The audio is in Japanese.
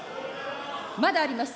まだあります。